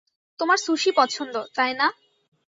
তোমার সুশি পছন্দ তাই না?